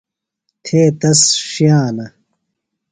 تھے تس ݜِیانہ.